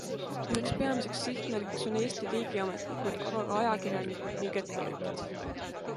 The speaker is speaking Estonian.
Üheks peamiseks sihtmärgiks on Eesti riigiametnikud, aga ka ajakirjanikud ning ettevõtjad.